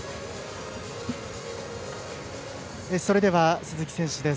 それでは鈴木選手です。